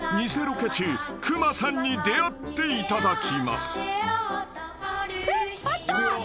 ［偽ロケ中くまさんに出会っていただきます］